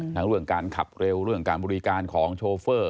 เรื่องการขับเร็วเรื่องการบริการของโชเฟอร์